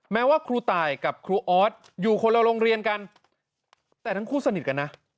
แม้ว่าครูตายกับครูออสอยู่คนละโรงเรียนกันแต่ทั้งคู่สนิทกันนะ